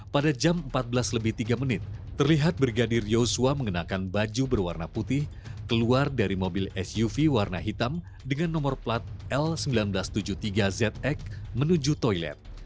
pada jam empat belas lebih tiga menit terlihat brigadir yosua mengenakan baju berwarna putih keluar dari mobil suv warna hitam dengan nomor plat l seribu sembilan ratus tujuh puluh tiga zx menuju toilet